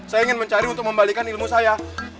saya ingin mencari untuk membalikan ilmu saya